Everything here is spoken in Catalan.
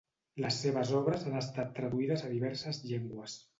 Les seves obres han estat traduïdes a diverses llengües.